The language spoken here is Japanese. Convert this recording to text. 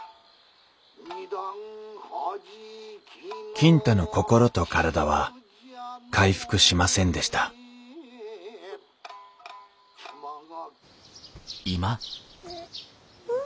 金太の心と体は回復しませんでしたうん。